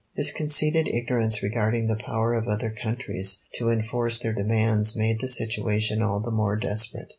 His conceited ignorance regarding the power of other countries to enforce their demands made the situation all the more desperate.